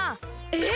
えっ！？